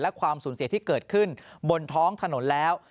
และความสูญเสียที่เกิดขึ้นบนท้องถนนแล้ว